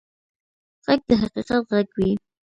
غږ د حقیقت غږ وي